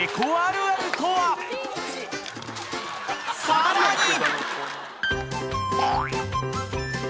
［さらに！］